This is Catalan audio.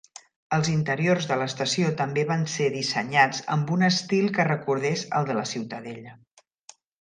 Els interiors de l'estació també van ser dissenyats amb un estil que recordés el de la ciutadella.